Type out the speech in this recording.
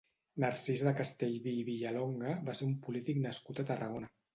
Narcís de Castellví i de Villalonga va ser un polític nascut a Tarragona.